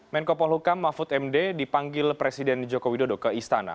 menko polhukam mahfud md dipanggil presiden joko widodo ke istana